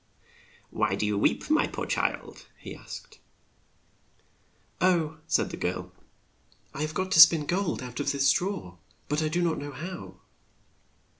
Why do you weep, my poor child ?" he asked. Oh !'' said the girl, '' I have got to spin gold out of this straw, and I do not know how."